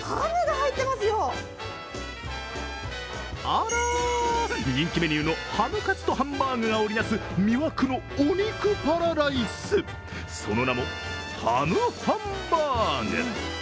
あら、人気メニューのハムカツとハンバーグが織りなす魅惑のお肉パラダイス、その名もハムハンバーグ。